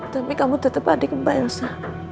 tapi kamu tetap adik mbak elsa